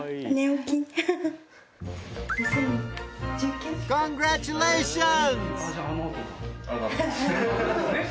コングラチュレーション！